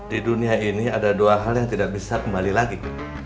di dunia ini ada dua hal yang tidak bisa kembali lagi